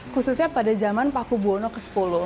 khususnya pada zaman paku buwono ke sepuluh